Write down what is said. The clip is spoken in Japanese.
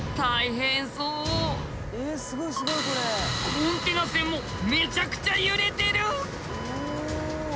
コンテナ船もめちゃくちゃ揺れてる。